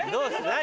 何？